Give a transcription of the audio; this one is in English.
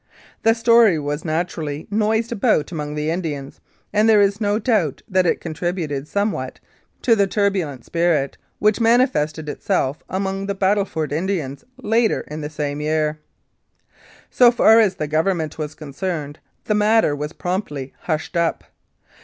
The story was naturally noised abroad among the Indians, and there is no doubt that it contributed somewhat to the turbulent spirit which manifested itself among the Battleford Indians later in the same year. So far as the Government was concerned, the matter was promptly hushed up.